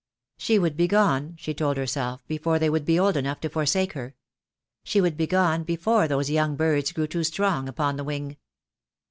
She would be gone, she told herself, before they would be old enough to forsake her. She would be gone before those young birds grew too strong upon the wing.